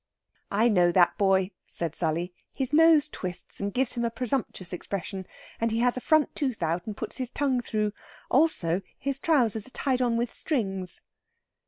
"I know that boy," said Sally. "His nose twists, and gives him a presumptuous expression, and he has a front tooth out and puts his tongue through. Also his trousers are tied on with strings."